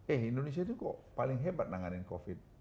eh indonesia ini kok paling hebat menangani covid